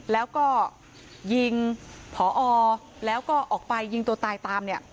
แล้วก็ยิงผอแล้วก็ออกไปยิงตัวตายตามเนี่ย